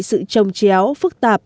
sự trồng chéo phức tạp